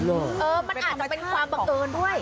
เออมันอาจจะเป็นความบังเอิญด้วย